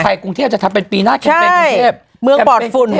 ไฟกรุงเทพจะทำเป็นปีหน้าเคมเปงกรุงเทพ